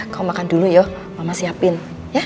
kau makan dulu yuk mbak catherine siapin ya